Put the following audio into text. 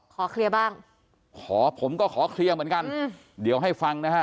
ขอเคลียร์บ้างขอผมก็ขอเคลียร์เหมือนกันเดี๋ยวให้ฟังนะฮะ